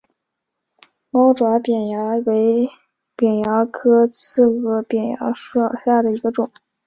猫爪扁蚜为扁蚜科刺额扁蚜属下的一个种。